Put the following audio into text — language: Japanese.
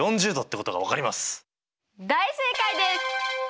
大正解です！